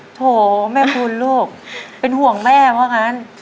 โอ้โฮแม่พูดลูกเป็นห่วงแม่เพราะงั้น